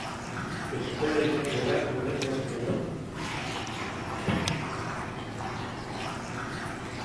Eskola izango da hurrengo programako protagonista.